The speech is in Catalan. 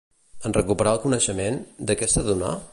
En recuperar el coneixement, de què s'adonà?